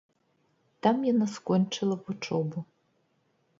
Там яна скончыла вучобу.